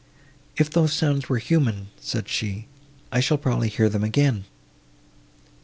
"If those sounds were human," said she, "I shall probably hear them again."